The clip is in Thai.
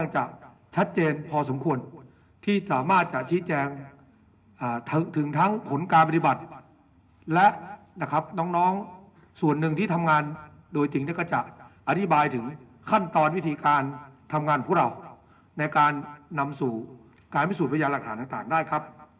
จะชัดเจนพอสมควรที่สามารถจะชี้แจงถึงทั้งผลการปฏิบัติและนะครับน้องส่วนหนึ่งที่ทำงานโดยจริงก็จะอธิบายถึงขั้นตอนวิธีการทำงานพวกเราในการนำสู่การพิสูจนพยานหลักฐานต่างได้ครับ